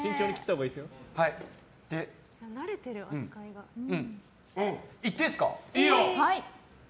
うん、行っていいですか？